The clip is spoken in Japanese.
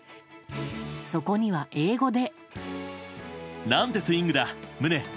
そこには英語で。